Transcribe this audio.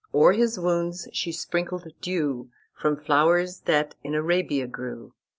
O'er his wounds she sprinkled dew From flowers that in Arabia grew.